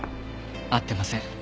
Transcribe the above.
会ってません。